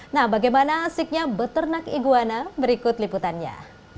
nah bagaimana asiknya beternak iguana berikut liputannya